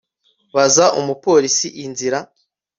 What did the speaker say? Baza umupolisi inzira